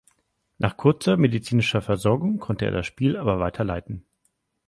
Nach kurzer medizinischer Versorgung konnte er das Spiel aber weiter leiten.